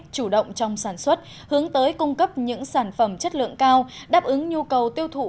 chủ động trong sản xuất hướng tới cung cấp những sản phẩm chất lượng cao đáp ứng nhu cầu tiêu thụ